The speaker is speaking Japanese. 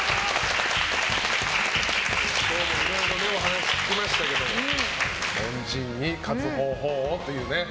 いろいろお話聞けましたけど凡人が勝つ方法をというね。